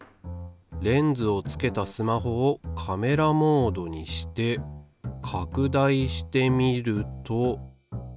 レンズをつけたスマホをカメラモードにして拡大してみると。